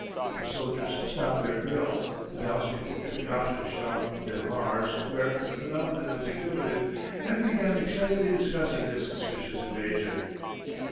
The soldiers stopped their drill; the townspeople trooped out to the Champs de Mars where the phenomenon was exhibited and began excitedly discussing this suspicious invasion.